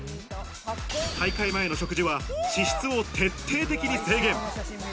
大会前の食事は脂質を徹底的に制限。